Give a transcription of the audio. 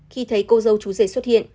khi thấy cô dâu chú rể xuất hiện